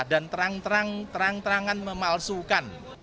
dan terang terang memalukan